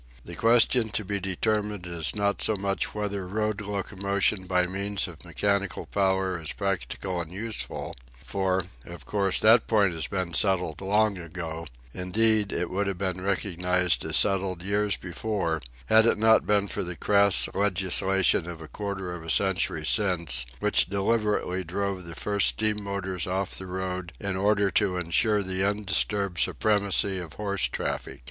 The question to be determined is not so much whether road locomotion by means of mechanical power is practicable and useful, for, of course, that point has been settled long ago; indeed it would have been recognised as settled years before had it not been for the crass legislation of a quarter of a century since which deliberately drove the first steam motors off the road in order to ensure the undisturbed supremacy of horse traffic.